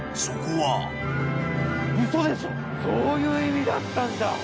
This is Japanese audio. そういう意味だったんだ！